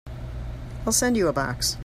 I'll send you a box.